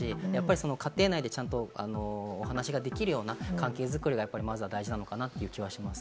家庭内でお話ができるような関係作りがまずは大事なのかなという気もします。